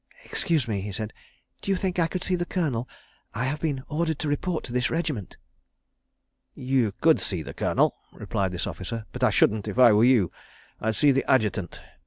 "Excuse me," he said, "d'you think I could see the Colonel? I have been ordered to report to this regiment." "You could see the Colonel," replied this officer, "but I shouldn't, if I were you. I'd see the Adjutant.